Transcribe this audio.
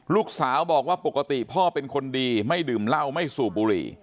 ลูกสาวบอกว่าปกติพ่อเป็นคนดีไม่ดื่มเหล้าไม่สูบบุหรี่